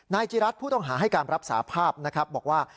จิรัตน์ผู้ต้องหาให้การรับสาภาพนะครับบอกว่า